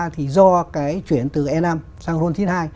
thì do cái chuyển từ e năm sang ron chín mươi hai